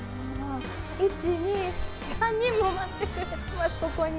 １、２、３人も待ってます、ここに。